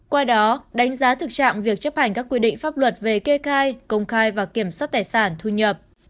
qua đó đánh giá thực trạng việc chấp hành các quy định pháp luật về kê khai công khai và kiểm soát tài sản thu nhập